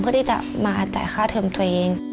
เพื่อที่จะมาจ่ายค่าเทิมตัวเอง